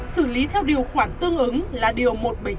xử lý theo điều khoản tương ứng là điều một trăm bảy mươi chín